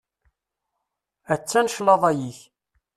Attan claḍa-ik.